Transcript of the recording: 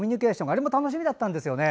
あれも楽しみだったんですよね。